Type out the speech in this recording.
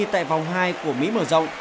tại vòng hai của mỹ mở rộng